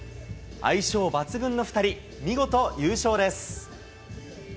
相性抜群の２人、見事優勝です。